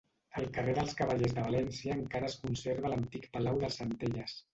Al carrer dels Cavallers de València encara es conserva l'antic palau dels Centelles.